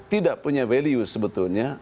tidak punya value sebetulnya